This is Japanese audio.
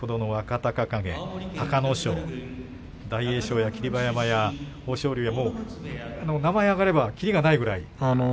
隆景隆の勝や大栄翔や霧馬山、豊昇龍、名前を挙げればきりがないぐらい。